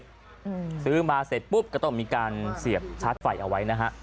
อืมซื้อมาเสร็จปุ๊บก็ต้องมีการเสียบชาร์จไฟเอาไว้นะฮะ